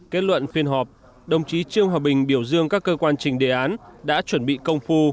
kết luận phiên họp đồng chí trương hòa bình biểu dương các cơ quan trình đề án đã chuẩn bị công phu